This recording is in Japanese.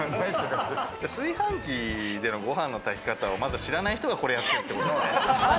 炊飯器でのご飯の炊き方をまず知らない人がこれやっているってことね。